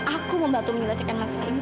aku mau bantu menjelaskan masalah ini